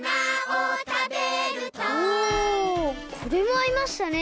おこれもあいましたね。